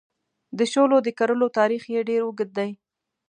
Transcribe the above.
د شولو د کرلو تاریخ یې ډېر اوږد دی.